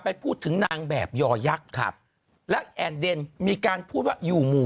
ไปพูดถึงนางแบบยอยักษ์ครับและแอนเดนมีการพูดว่าอยู่หมู่